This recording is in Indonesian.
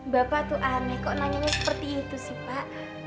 bapak tuh aneh kok nanya seperti itu sih pak